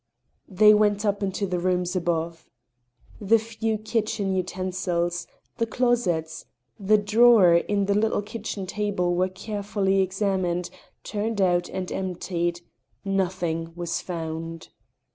They went up into the rooms above. The few kitchen utensils, the closets, the drawer in the little kitchen table were carefully examined, turned out, and emptied. Nothing was found.